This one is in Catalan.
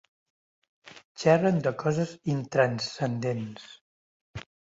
Xerren de coses intranscendents.